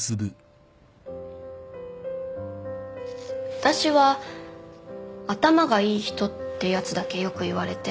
私は頭がいい人ってやつだけよく言われて。